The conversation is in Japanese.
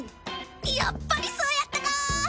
やっぱりそうやったか！！